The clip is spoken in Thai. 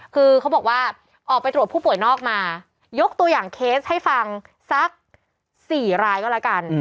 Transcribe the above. คือเขาบอกว่าออกไปตรวจผู้ป่วยนอกมายกตัวอย่างเคสให้ฟังสัก๔รายก็แล้วกัน